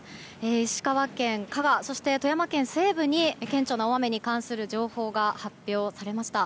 石川県加賀、そして富山県西部に顕著な大雨に関する情報が発表されました。